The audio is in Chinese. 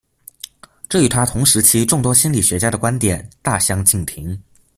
这与他同时期众多心理学家的观点大相径庭。